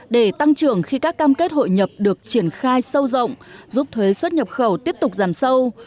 để tăng trưởng khi các cam kết hội nhập được triển khai sâu rộng giúp thuế xuất nhập khẩu tiếp tục giảm sâu